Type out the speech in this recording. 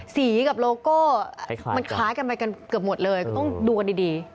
กับโลโก้มันคล้ายกันไปกันเกือบหมดเลยก็ต้องดูกันดี